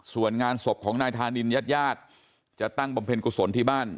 ส่วนงานศพของนายธานินญาติญาติจะตั้งบำเพ็ญกุศลที่บ้าน